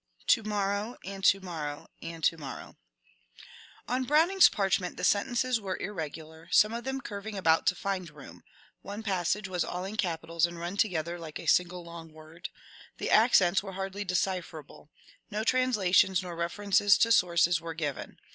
Tomorrow, and Tomorrow and Tomorrow. 20 MONCURE DANIEL CONWAY On Browning's parchment the sentences were irregular, some of them curving about to find room ; one passage was all in capitals and run together like a single long word ; the accents were hardly decipherable ; no translations nor refer ences to sources were given.